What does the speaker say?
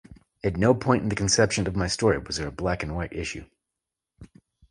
At no point in the conception of my story was there a black-white issue.